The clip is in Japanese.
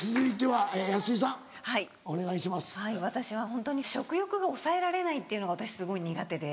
はい私はホントに食欲が抑えられないっていうのが私すごい苦手で。